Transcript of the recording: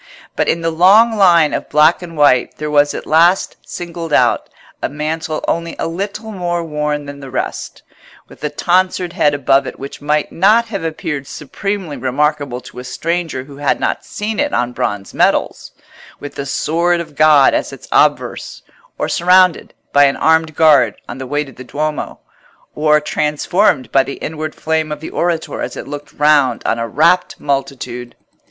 But in the long line of black and white there was at last singled out a mantle only a little more worn than the rest, with a tonsured head above it which might not have appeared supremely remarkable to a stranger who had not seen it on bronze medals, with the sword of God as its obverse; or surrounded by an armed guard on the way to the Duomo; or transfigured by the inward flame of the orator as it looked round on a rapt multitude.